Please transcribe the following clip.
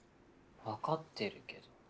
分かってるけど。